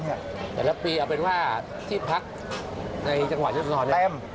แต่ละปีเอาเป็นว่าเผ็ดพักในจังหวะแนวสนร